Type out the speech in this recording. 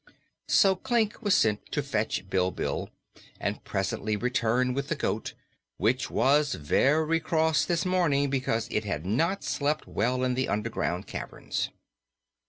So Klik was sent to fetch Bilbil and presently returned with the goat, which was very cross this morning because it had not slept well in the underground caverns.